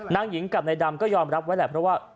นางหญิงกับนายดำก็ยอมรับไว้แหละเพราะว่า